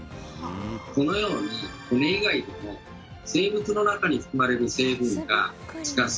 このように骨以外でも生物の中に含まれる成分が地下水